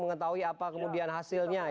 mengetahui apa kemudian hasilnya